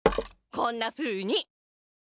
こんなふうに。